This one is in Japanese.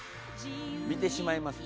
見てしまいますね。